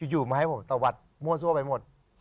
อยู่มาให้ผมตะวัดมั่วซั่วไปหมด